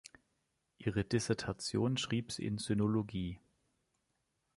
Ihre Dissertation schrieb sie in Sinologie.